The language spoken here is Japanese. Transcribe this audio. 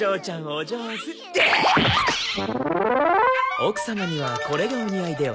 奥様にはこれがお似合いでは？